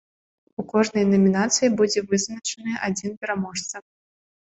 У кожнай намінацыі будзе вызначаны адзін пераможца.